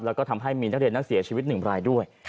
แล้วก็ทำให้มีนักเรียนนั้นเสียชีวิต๑รายด้วย